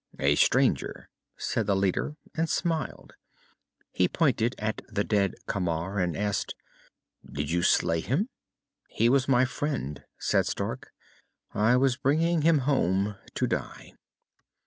"A stranger," said the leader, and smiled. He pointed at the dead Camar and asked, "Did you slay him?" "He was my friend," said Stark, "I was bringing him home to die."